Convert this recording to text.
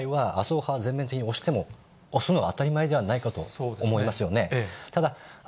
したがって本来は麻生派が全面的に推しても、推すのは当たり前ではないかと思いますよね。